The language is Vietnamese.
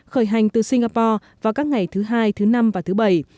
khởi hành từ singapore vào các ngày thứ hai thứ năm và thứ bảy